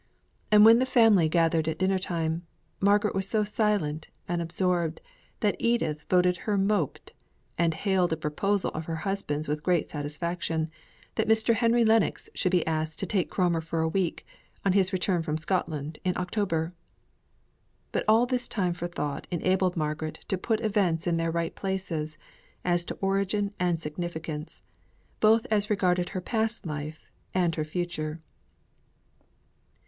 And when the family gathered at dinner time, Margaret was so silent and absorbed that Edith voted her moped, and hailed a proposal of her husband's with great satisfaction, that Mr. Henry Lennox should be asked to take Cromer for a week, on his return from Scotland in October. But all this time for thought enabled Margaret to put events in their right places, as to origin and significance, both as regarded her past life and her future.